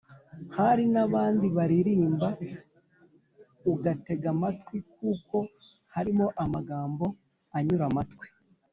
hari n’abandi baririmba ugatega amatwi kuko harimo amagambo anyura amatwi.”